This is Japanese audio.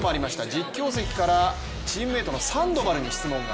実況席からチームメートのサンドバルに質問が。